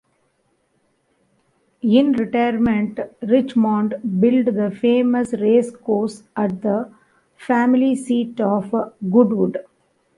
In retirement Richmond built the famous racecourse at the family seat of Goodwood.